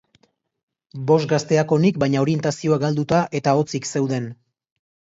Bost gazteak onik baina orientazioa galduta eta hotzik zeuden.